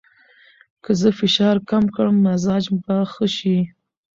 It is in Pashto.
که زه فشار کم کړم، مزاج به ښه شي.